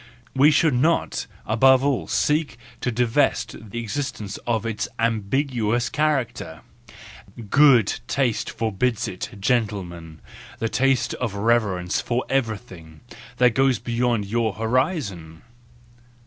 We should not, above all, seek to divest existence of its ambiguous character: good taste forbids it, gentlemen, the taste of reverence for everything that goes beyond your horizon!